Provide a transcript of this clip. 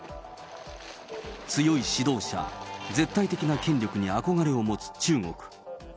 強い指導者、絶対的な権力に憧れを持つ中国。